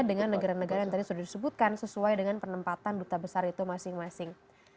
dengan negara negara yang tadi sudah disebutkan sesuai dengan penempatan duta besar itu masing masing